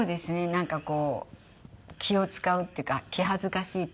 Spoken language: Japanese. なんかこう気を使うっていうか気恥ずかしいっていうか